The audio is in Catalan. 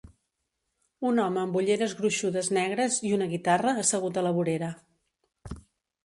Un home amb ulleres gruixudes negres i una guitarra assegut a la vorera.